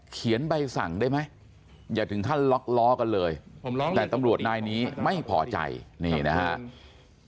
ใบสั่งได้ไหมอย่าถึงขั้นล็อกล้อกันเลยแต่ตำรวจนายนี้ไม่พอใจนี่นะครับ